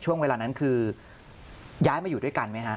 ช่วงเวลานั้นคือย้ายมาอยู่ด้วยกันไหมฮะ